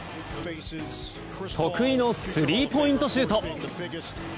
得意のスリーポイントシュート！